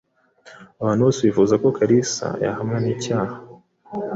Abantu bose bifuza ko Kalisa yahamwa n'icyaha.